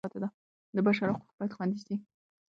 د بشر حقوق باید خوندي سي.